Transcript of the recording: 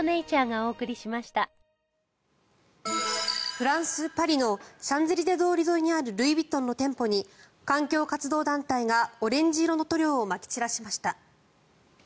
フランス・パリのシャンゼリゼ通り沿いにあるルイ・ヴィトンの店舗に環境活動団体がオレンジ色の塗料をまき散らしました。